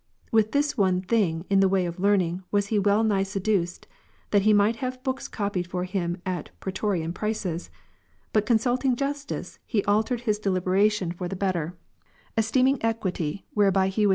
With this one thing in the way of learning was he well nigh seduced, that he might have books copied for him at Praetorian prices ", but consulting justice, he altered his deliberation for the '' Alypius becameBishop of Tliagaste.